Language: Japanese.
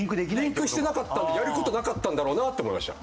リンクしてなかったやる事なかったんだろうなって思いました。